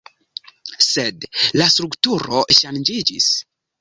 Sed la strukturo ŝanĝiĝis.